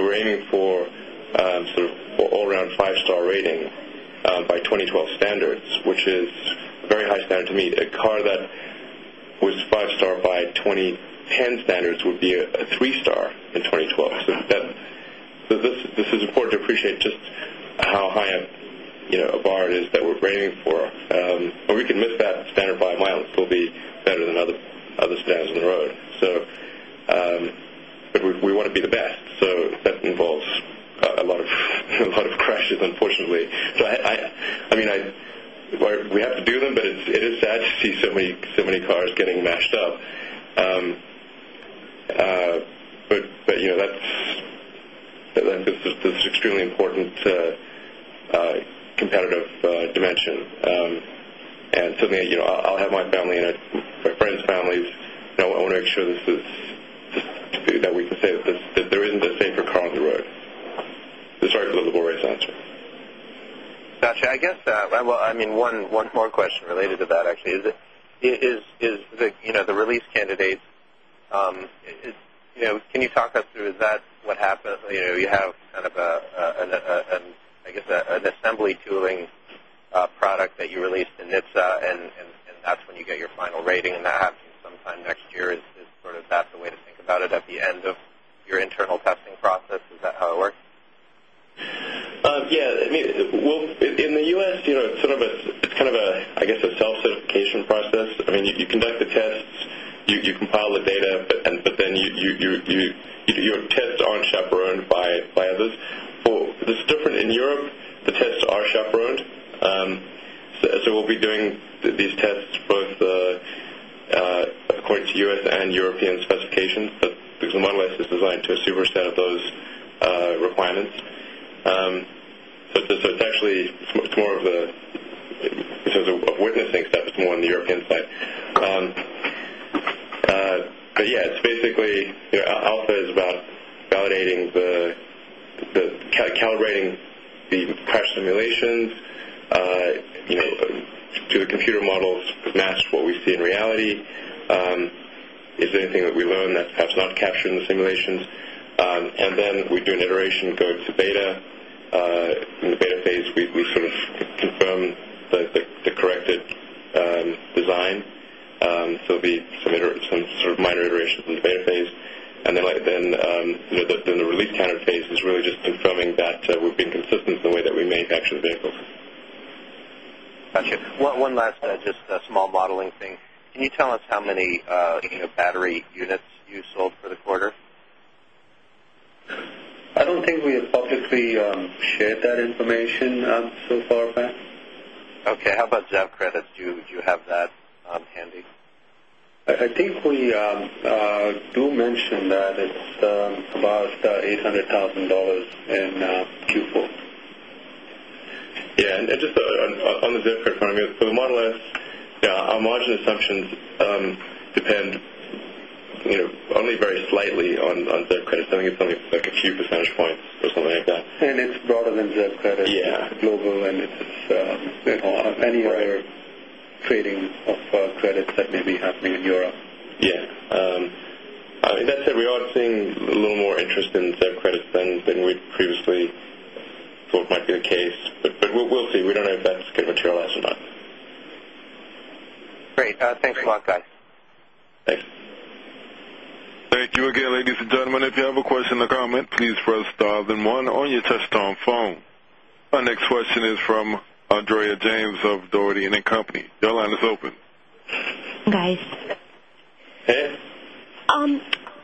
know, we're aiming for sort of all around 5-star rating by 2012 standards, which is a very high standard to meet. A car that was 5-star by 2010 standards would be a 3-star in 2012. This is important to appreciate just how high a bar it is that we're aiming for. We can miss that standard by a mile and still be better than other standards on the road. But we wanna be the best, so that involves a lot of crashes, unfortunately. I mean, we have to do them, but it is sad to see so many cars getting mashed up. But, you know, this is extremely important competitive dimension. Certainly, you know, I'll have my family and my friend's families, you know, I wanna make sure that there isn't a safer car on the road. Sorry for the boring answer. Gotcha. I guess, well, I mean, one more question related to that, actually. Is it, is the, you know, the release candidate, can you talk us through, is that what happens? You have kind of an assembly tooling product that you release to NHTSA and that's when you get your final rating and that happens sometime next year. Is sort of that the way to think about it at the end of your internal testing process? Is that how it works? Yeah, I mean, well, in the U.S., you know, it's sort of a, it's kind of a, I guess, a self-certification process. I mean, you conduct the tests, you compile the data, then you, your tests aren't chaperoned by others. It's different in Europe. The tests are chaperoned. We'll be doing these tests both according to U.S. and European specifications. Because the Model S is designed to a super set of those requirements.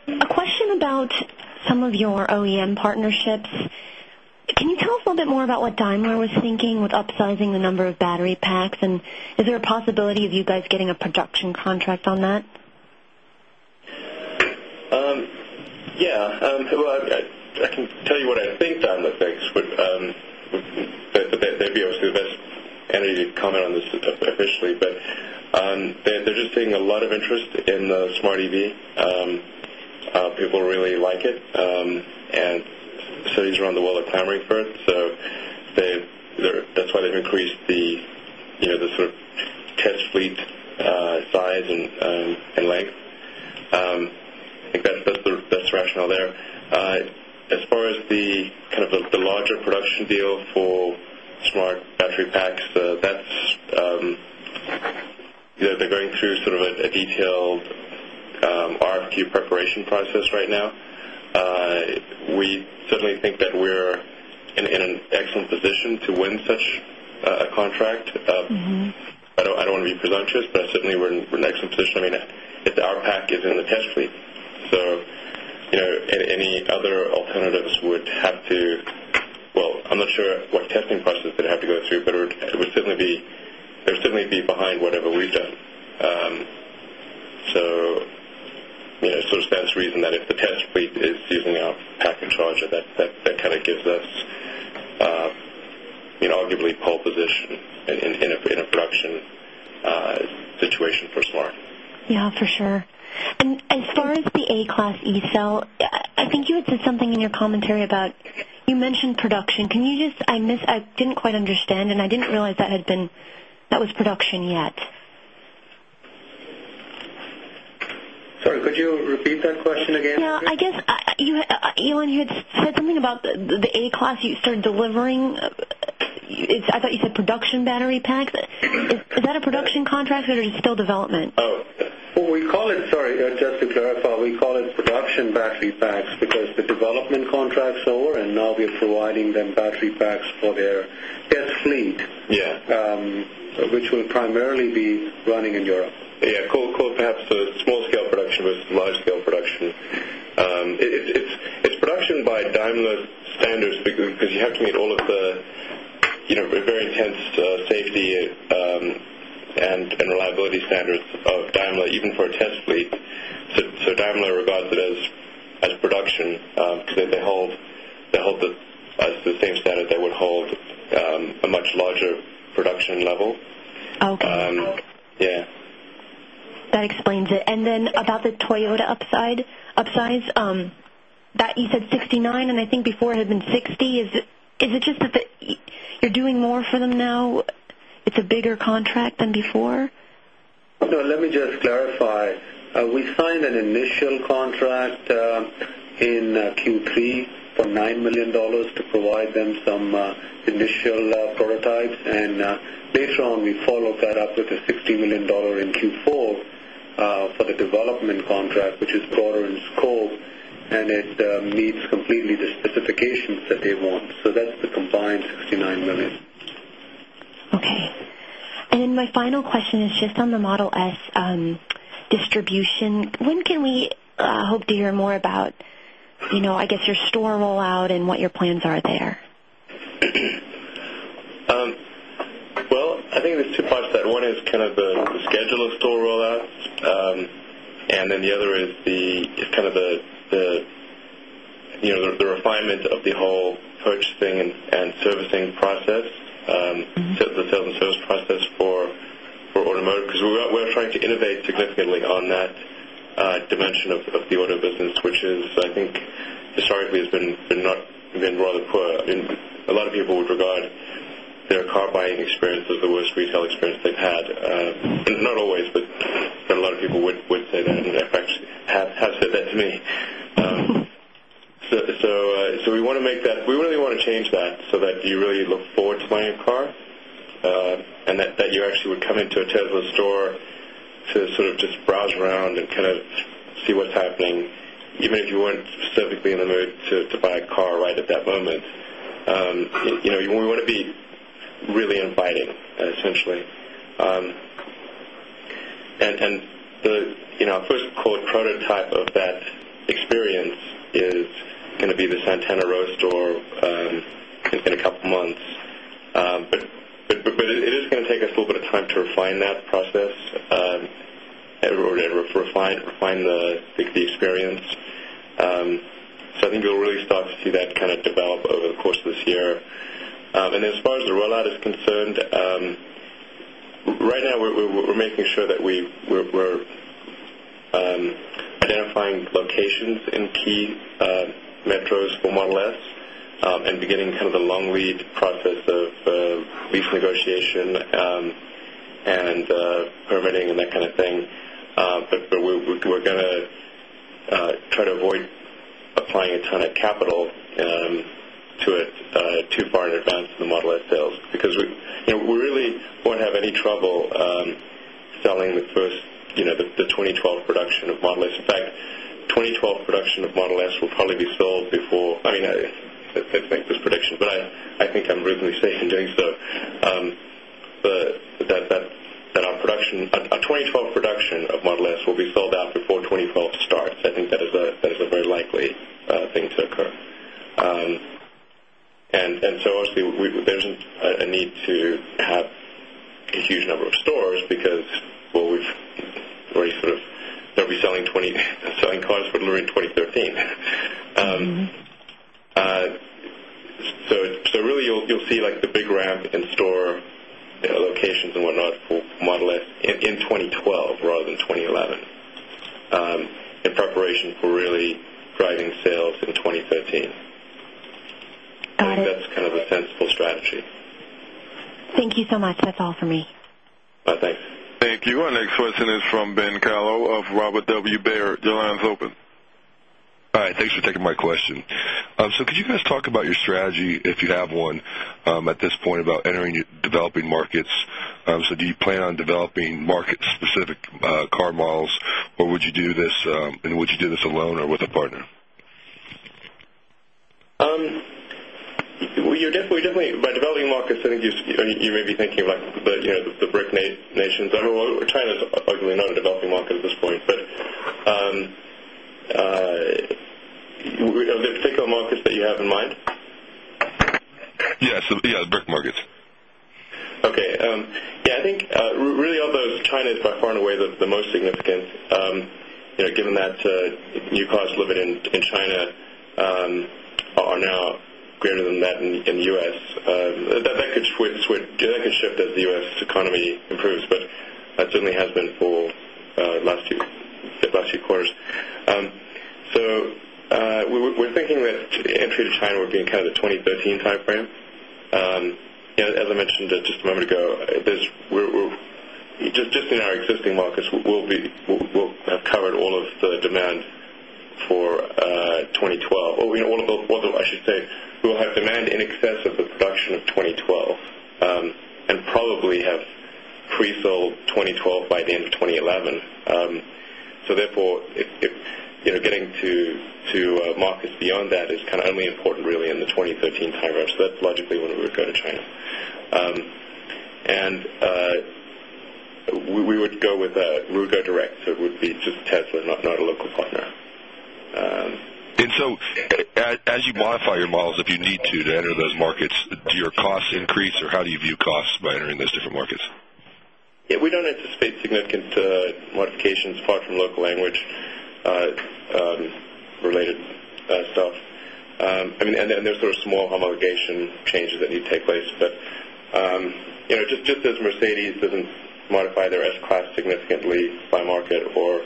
A question about some of your OEM partnerships. Can you tell us a little bit more about what Daimler was thinking with upsizing the number of battery packs? Is there a possibility of you guys getting a production contract on that? Yeah. Well, I can tell you what I think Daimler thinks. They'd be obviously the best entity to comment on this officially. They're just seeing a lot of interest in the Smart EV. People really like it. Cities around the world are clamoring for it. That's why they've increased the, you know, the sort of test fleet, size and length. I think that's the rationale there. As far as the, kind of the larger production deal for Smart battery packs, that's, you know, they're going through sort of a detailed, RFQ preparation process right now. We certainly think that we're in an excellent position to win such a contract. I don't wanna be presumptuous, but certainly we're in an excellent position. I mean, our pack is in the test fleet. You know, any other alternatives would have to Well, I'm not sure what testing process they'd have to go through, but it would certainly be, they would certainly be behind whatever we've done. You know, it sort of stands to reason that if the test fleet is using our pack and charger, that kind of gives us, you know, arguably pole position in a production situation for Smart. Yeah, for sure. As far as the A-Class E-Cell, I think you had said something in your commentary about you mentioned production. Can you just, I missed, I didn't quite understand, I didn't realize that had been, that was production yet? Sorry, could you repeat that question again, Andrea? Yeah. I guess, you, Elon, you had said something about the A-Class you started delivering. I thought you said production battery packs. Is that a production contract or is it still development? Sorry, just to clarify, we call it production battery packs because the development contract's over, and now we're providing them battery packs for their test fleet. Yeah. Which will primarily be running in Europe. Call it perhaps a small scale production versus large scale production. It's production by Daimler standards because you have to meet all of the, you know, very intense safety and reliability standards of Daimler, even for a test fleet. Daimler regards it as production because they hold it as the same standard they would hold a much larger production level. Okay. Yeah. That explains it. About the Toyota upsize that you said $59, and I think before it had been $60. Is it just that you're doing more for them now? It's a bigger contract than before? No, let me just clarify. We signed an initial contract in Q3 for $9 million to provide them some initial prototypes. Later on, we followed that up with a $50 million dollar in Q4. For the development contract, which is Goran's scope, and it meets completely the specifications that they want. That's the combined $59 million. Okay. My final question is just on the Model S distribution. When can we hope to hear more about, you know, I guess your store rollout and what your plans are there? Well, I think there's two parts to that. One is kind of the schedule of store rollout. The other is kind of the, you know, the refinement of the whole purchasing and servicing process. The sales and service process for automotive, 'cause we're trying to innovate significantly on that dimension of the auto business, which is, I think historically has been not, been rather poor. I mean, a lot of people would regard their car buying experience as the worst retail experience they've had. Not always, but a lot of people would say that, and in fact have said that to me. So we really wanna change that so that you really look forward to buying a car, and that you actually would come into a Tesla store to sort of just browse around and kind of see what's happening, even if you weren't specifically in the mood to buy a car right at that moment. You know, we wanna be really inviting, essentially. And the, you know, our first quote, prototype of that experience is going to be the Santana Row store, I think in a couple months. But it is going to take us a little bit of time to refine that process, or to refine the experience. I think you'll really start to see that kind of develop over the course of this year. As far as the rollout is concerned, right now we're making sure that we're identifying locations in key metros for Model S, and beginning kind of the long lead process of lease negotiation, and permitting and that kind of thing. We're gonna try to avoid applying a ton of capital to it too far in advance of the Model S sales. Because we, you know, we really won't have any trouble selling the first, you know, the 2012 production of Model S. In fact, 2012 production of Model S will probably be sold before, I mean, I make this prediction, but I think I'm reasonably safe in doing so, that our production, our 2012 production of Model S will be sold out before 2012 starts. I think that is a very likely thing to occur. Obviously there isn't a need to have a huge number of stores because, well, we've already sort of, they'll be selling cars for delivery in 2013. Really you'll see like the big ramp in store, you know, locations and whatnot for Model S in 2012 rather than 2011, in preparation for really driving sales in 2013. Got it. That's kind of a sensible strategy. Thank you so much. That's all for me. Bye. Thanks. Thank you. Our next question is from Ben Kallo of Robert W. Baird. Your line's open. All right. Thanks for taking my question. Could you guys talk about your strategy, if you have one, at this point about entering new developing markets? Do you plan on developing market-specific car models, or would you do this, and would you do this alone or with a partner? We definitely by developing markets, I think you may be thinking about the, you know, the BRIC nations. China's arguably not a developing market at this point. Are there particular markets that you have in mind? Yes. Yeah, BRIC markets. I think really although China is by far and away the most significant, you know, given that new cars driven in China are now greater than that in the U.S. That could shift as the U.S. economy improves, but that certainly has been for last few quarters. We're thinking that entry to China would be in kind of the 2013 timeframe. You know, as I mentioned just a moment ago, just in our existing markets, we'll have covered all of the demand for 2012. You know, I should say, we'll have demand in excess of the production of 2012 and probably have pre-sold 2012 by the end of 2011. Therefore it, you know, getting to markets beyond that is kind of only important really in the 2013 timeframe. That's logically when we would go to China. We would go with a, we would go direct, so it would be just Tesla, not a local partner. As you modify your models, if you need to enter those markets, do your costs increase, or how do you view costs by entering those different markets? We don't anticipate significant modifications apart from local language related stuff. Then there's sort of small homologation changes that need to take place, but, you know, just as Mercedes doesn't modify their S-Class significantly by market or,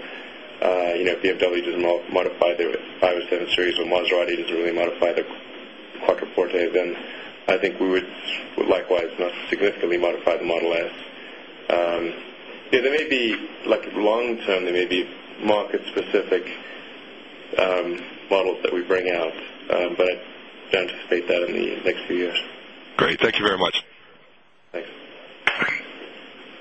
you know, BMW doesn't modify their 5 or 7 Series or Maserati doesn't really modify their Quattroporte, then I think we would likewise not significantly modify the Model S. There may be like long-term, there may be market-specific models that we bring out, but I don't anticipate that in the next few years. Great. Thank you very much. Thanks.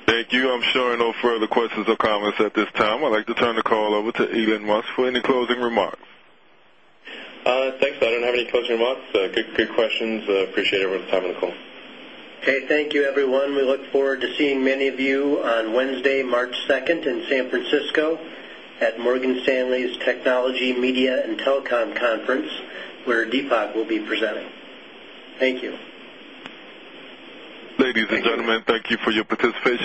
Thank you. I'm showing no further questions or comments at this time. I'd like to turn the call over to Elon Musk for any closing remarks. Thanks. I don't have any closing remarks. Good, good questions. Appreciate everyone's time on the call. Okay. Thank you, everyone. We look forward to seeing many of you on Wednesday, March second in San Francisco at Morgan Stanley Technology, Media & Telecom Conference, where Deepak will be presenting. Thank you. Ladies and gentlemen, thank you for your participation.